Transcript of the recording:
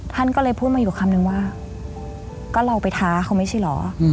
ท่านก็เลยพูดมาอยู่คำนึงว่าก็เราไปท้าเขาไม่ใช่เหรอ